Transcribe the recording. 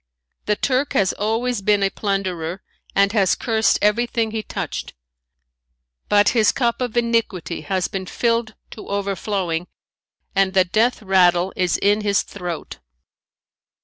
The Turk has always been a plunderer and has cursed everything he touched. But his cup of iniquity has been filled to overflowing and the death rattle is in his throat.